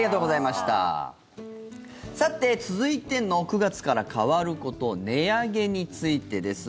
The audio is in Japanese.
さて、続いての９月から変わること値上げについてです。